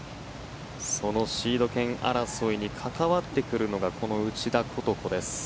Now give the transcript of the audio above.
そのシード権争いに関わってくるのが内田ことこです。